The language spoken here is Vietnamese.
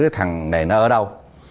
thằng này nó ở đâu